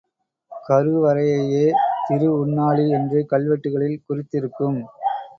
கருவறையையே திருஉண்ணாழி என்று கல்வெட்டுகளில் குறித்திருக்கும்.